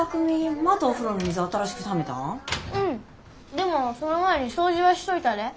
でもその前に掃除はしといたで。